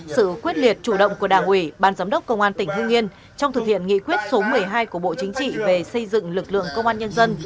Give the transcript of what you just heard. sự quyết liệt chủ động của đảng ủy ban giám đốc công an tỉnh hương yên trong thực hiện nghị quyết số một mươi hai của bộ chính trị về xây dựng lực lượng công an nhân dân